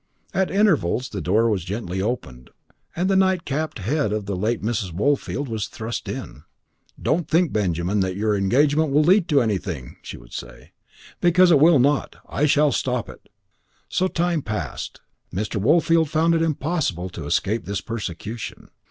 At intervals the door was gently opened, and the night capped head of the late Mrs. Woolfield was thrust in. "Don't think, Benjamin, that your engagement will lead to anything," she would say, "because it will not. I shall stop it." So time passed. Mr. Woolfield found it impossible to escape this persecution.